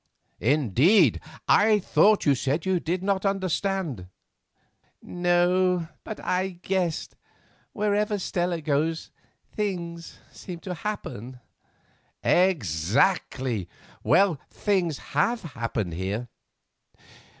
"Indeed! I thought you said you did not understand." "No, but I guessed; wherever Stella goes things seem to happen." "Exactly; well, things have happened here.